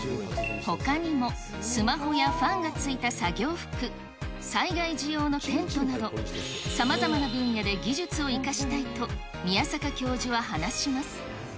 ほかにも、スマホやファンが付いた作業服、災害時用のテントなど、さまざまな分野で技術を生かしたいと宮坂教授は話します。